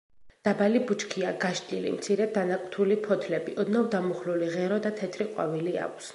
დაბალი ბუჩქია, გაშლილი, მცირედ დანაკვთული ფოთოლი, ოდნავ დამუხლული ღერო და თეთრი ყვავილი აქვს.